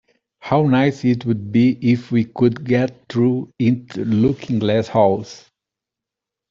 How nice it would be if we could get through into Looking-glass House!